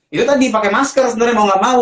itu tadi pakai masker sebenarnya mau gak mau